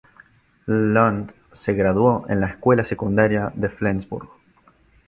Lund se graduó en la escuela secundaria de Flensburg.